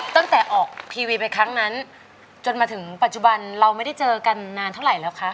ตั้งแต่ออกทีวีไปครั้งนั้นจนมาถึงปัจจุบันเราไม่ได้เจอกันนานเท่าไหร่แล้วคะ